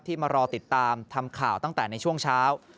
มารอติดตามทำข่าวตั้งแต่ในช่วงเช้า